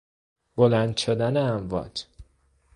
بلند شدن امواج